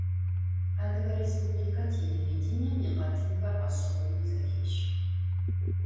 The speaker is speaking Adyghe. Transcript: Adıge rêspublike têlêvidêniêm yikhetınxer ğeş'eğoneu zexêşex.